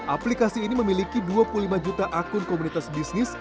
aplikasi ini memiliki dua puluh lima juta akun komunitas bisnis